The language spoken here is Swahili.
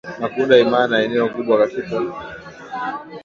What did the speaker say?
na kuunda himaya na eneo kubwa Katika